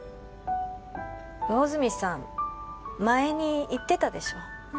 魚住さん前に言ってたでしょ